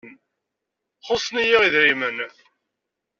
Xuṣṣen-iyi idrimen.